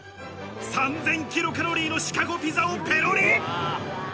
キロカロリーのシカゴピザをペロリ。